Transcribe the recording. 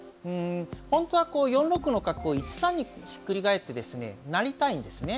本当は４六の角を１三にひっくり返ってですね成りたいんですね。